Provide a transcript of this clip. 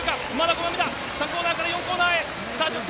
３コーナーから４コーナー、直線。